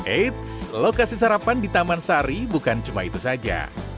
eits lokasi sarapan di taman sari bukan cuma itu saja